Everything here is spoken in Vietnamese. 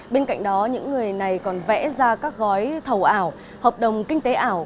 bên cạnh đó những người này còn vẽ ra các gói thầu ảo hợp đồng kinh tế ảo